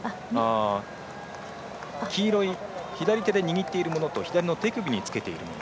黄色い、左手で握っているものと手首につけているもの